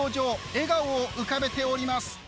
笑顔を浮かべております。